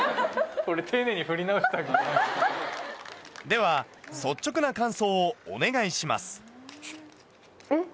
では率直な感想をお願いしますえっ。